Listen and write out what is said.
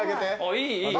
いいいい。